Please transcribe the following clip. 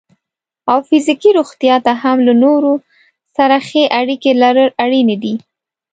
او فزیکي روغتیا ته هم له نورو سره ښې اړیکې لرل اړینې دي.